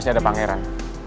kita ada pangeran